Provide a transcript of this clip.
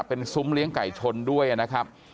เป็นซุ้มเลี้ยงไก่ชนด้วยนะครับ